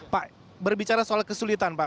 pak berbicara soal kesulitan pak